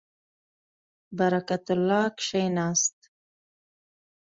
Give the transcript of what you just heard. برکت الله کښېنست.